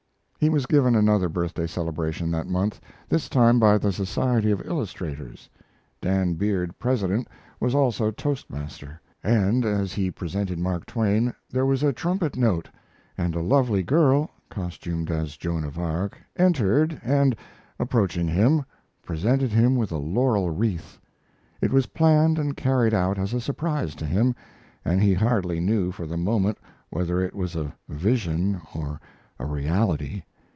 He was given another birthday celebration that month this time by the Society of Illustrators. Dan Beard, president, was also toast master; and as he presented Mark Twain there was a trumpet note, and a lovely girl, costumed as Joan of Arc, entered and, approaching him, presented him with a laurel wreath. It was planned and carried out as a surprise to him, and he hardly knew for the moment whether it was a vision or a reality.